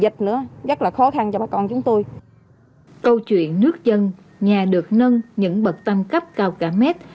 câu chuyện nước dân nhà được nâng những bậc tam cấp cao cả mét